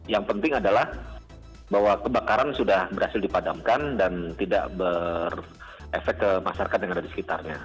yang penting adalah bahwa kebakaran sudah berhasil dipadamkan dan tidak berefek ke masyarakat yang ada di sekitarnya